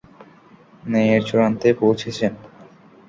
ন্যায়ের চূড়ান্তে পৌঁছেছেন।